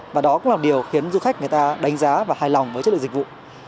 và đó cũng là một điều khiến du khách người ta đánh giá và hài lòng với chất lượng dịch vụ